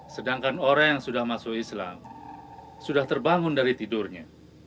sedangkan orang yang sudah masuk islam sudah terbangun dari tidurnya